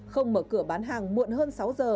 không mở cửa bán hàng muộn hơn sáu h